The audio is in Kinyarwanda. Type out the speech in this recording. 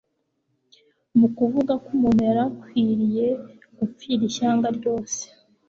Mu kuvuga ko umuntu yari akwiriye gupfira ishyanga ryose,